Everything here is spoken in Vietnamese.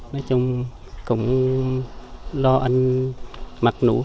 nói chung cũng lo anh mặc nụ